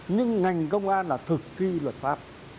nhưng ngành công an là thực thi luật pháp